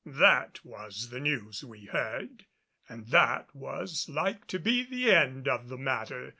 That was the news we heard, and that was like to be the end of the matter.